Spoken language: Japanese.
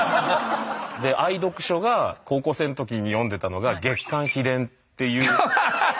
愛読書が高校生の時に読んでたのが「月刊秘伝」っていう。